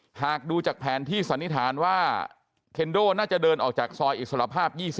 หากดูจากแผนที่สันนิษฐานว่าเคนโดน่าจะเดินออกจากซอยอิสระภาพ๒๐